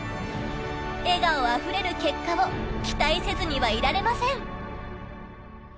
笑顔あふれる結果を期待せずにはいられません。